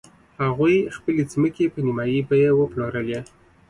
هغوی خپلې ځمکې په نیمايي بیه وپلورلې.